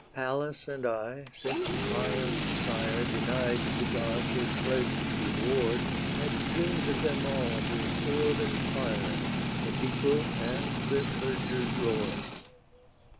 Pallas and I, since Priam's sire Denied the gods his pledged reward, Had doom'd them all to sword and fire, The people and their perjured lord.